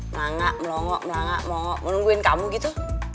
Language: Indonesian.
melangak melongo melangak melongo menungguin kamu gitu